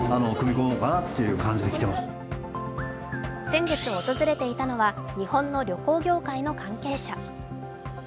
先月訪れていたのは、日本の旅行業界の関係者。